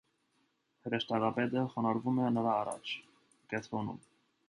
Հրեշտակապետը խոնարհվում է նրա առաջ (կենտրոնում)։